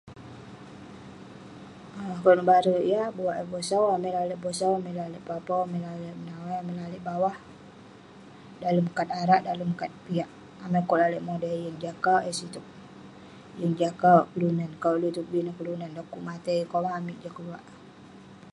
Akouk nebarek yah buak eh bosau, amai lalek bosau, amai lalek papau, amai lalek menawai, amai lalek bawah..dalem kat arak, dalem kat piak..amai kok lalek modai yeng jah kauk eh sitouk, yeng jah kauk kelunan, kat uluok itouk bi neh kelunan..dan kok matai, konak amik jah keluwak..